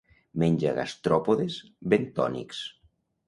Menja gastròpodes bentònics.